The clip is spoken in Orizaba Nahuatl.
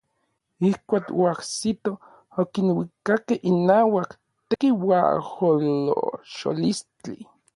Ijkuak oajsitoj okinuikakej inauak tekiuajolocholistli.